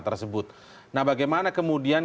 tersebut nah bagaimana kemudian